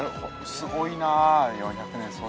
すごいなあ。